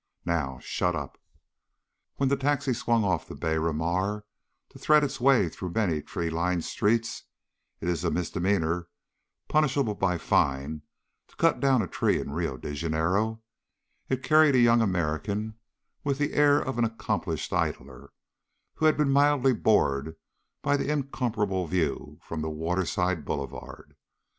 Now shut up." When the taxi swung off the Biera Mar to thread its way through many tree lined streets it is a misdemeanor, punishable by fine, to cut down a tree in Rio de Janeiro it carried a young American with the air of an accomplished idler, who has been mildly bored by the incomparable view from the waterside boulevard.